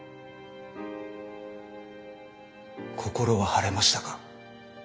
心は晴れましたか？